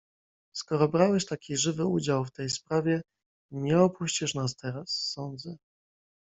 "Skoro brałeś taki żywy udział w tej sprawie, nie opuścisz nas teraz, sądzę."